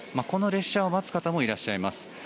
この列車を待つ方もいらっしゃいます。